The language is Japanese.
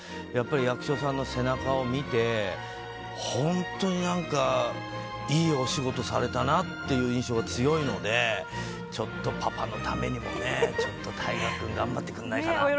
やっぱり役所さんの背中を見て、本当になんか、いいお仕事されたなっていう印象が強いので、ちょっとパパのためにもね、ちょっと太賀君、頑張ってくんないかな。